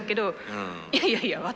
いやいやいや私。